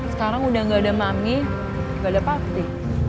sekarang udah gak ada mami gak ada pak huti